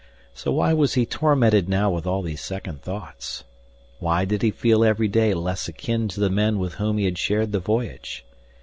So why was he tormented now with all these second thoughts? Why did he feel every day less akin to the men with whom he had shared the voyage?